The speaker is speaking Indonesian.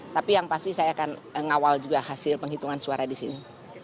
tapi yang pasti saya akan ngawal juga hasil penghitungan suara di sini